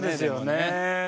そうですよね。